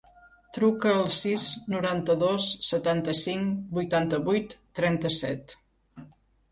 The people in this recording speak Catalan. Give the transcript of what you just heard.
Truca al sis, noranta-dos, setanta-cinc, vuitanta-vuit, trenta-set.